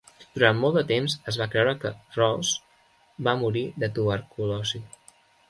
Durant molt de temps es va creure que Rose va morir de tuberculosi.